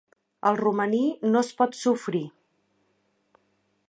El romaní no es pot sofrir.